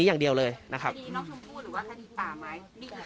ยังตอบไม่ได้